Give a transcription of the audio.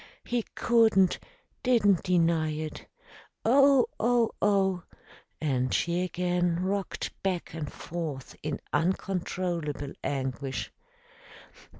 He couldn't, didn't deny it. Oh! Oh! Oh!" And she again rocked back and forth in uncontrollable anguish.